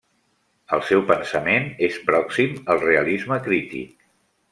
El seu pensament és pròxim al realisme crític.